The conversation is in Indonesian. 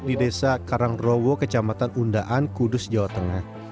di desa karangrowo kecamatan undaan kudus jawa tengah